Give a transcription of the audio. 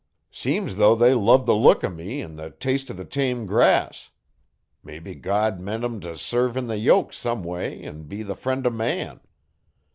Seem's though they loved the look o' me an' the taste o' the tame grass. Mebbe God meant em t' serve in the yoke some way an' be the friend o' man.